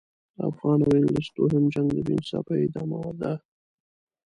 د افغان او انګلیس دوهم جنګ د بې انصافیو ادامه ده.